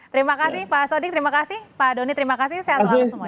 terima kasih pak sodik terima kasih pak doni terima kasih sehat langsung